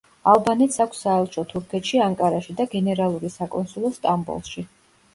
ალბანეთს აქვს საელჩო თურქეთში ანკარაში და გენერალური საკონსულო სტამბოლში.